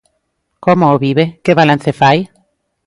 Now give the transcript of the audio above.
Como o vive, que balance fai?